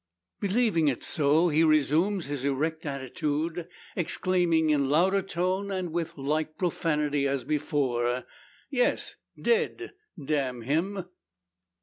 Believing it so, he resumes his erect attitude, exclaiming in louder tone, and with like profanity as before, "Yes, dead, damn him!"